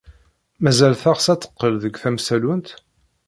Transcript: Mazal teɣs ad teqqel d tamsallunt?